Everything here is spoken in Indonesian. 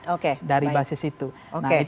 oke dari basis itu oke